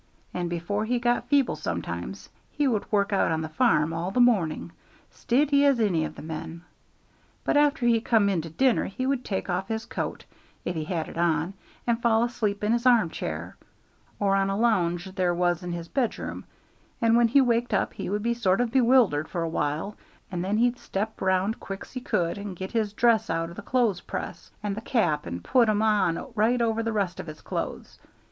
And before he got feeble sometimes he would work out on the farm all the morning, stiddy as any of the men; but after he come in to dinner he would take off his coat, if he had it on, and fall asleep in his arm chair, or on a l'unge there was in his bedroom, and when he waked up he would be sort of bewildered for a while, and then he'd step round quick's he could, and get his dress out o' the clothes press, and the cap, and put 'em on right over the rest of his clothes.